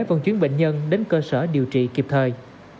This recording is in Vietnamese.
vận chuyển bệnh nhân đến cơ sở điều trị kịp thời